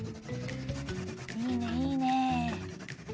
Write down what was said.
いいねいいね！